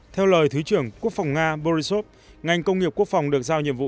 theo lời thứ trưởng quốc phòng nga borisov ngành công nghiệp quốc phòng được giao nhiệm vụ